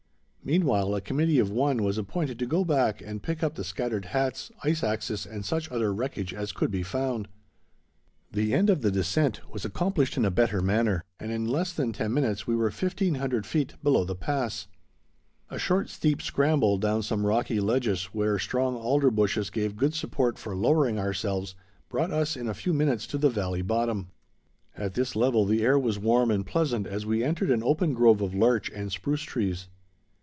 Meanwhile, a committee of one was appointed to go back and pick up the scattered hats, ice axes, and such other wreckage as could be found. The end of the descent was accomplished in a better manner, and in less than ten minutes we were 1500 feet below the pass. A short, steep scramble down some rocky ledges, where strong alder bushes gave good support for lowering ourselves, brought us in a few minutes to the valley bottom. At this level the air was warm and pleasant as we entered an open grove of larch and spruce trees.